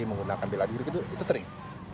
menggunakan bela diri itu sering